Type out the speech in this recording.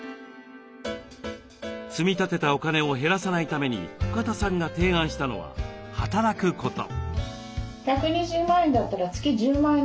積み立てたお金を減らさないために深田さんが提案したのは働くこと。